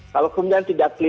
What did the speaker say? kalau kemudian tidak